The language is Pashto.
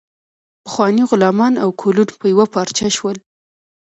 پخواني غلامان او کولون په یوه پارچه شول.